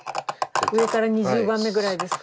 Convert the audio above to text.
上から２０番目ぐらいですか。